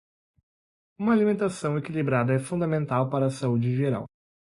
Uma alimentação equilibrada é fundamental para a saúde geral.